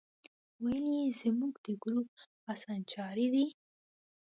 ویل یې زموږ د ګروپ اسانچاری دی.